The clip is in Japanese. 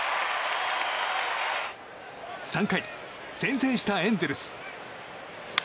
３回、先制したエンゼルス。